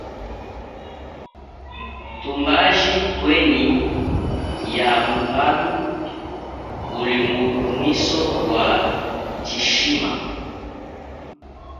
Tumbaji twenyi yaamuhula ulumbunwiso wa chishima.